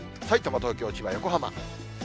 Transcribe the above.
さいたま、東京、千葉、横浜。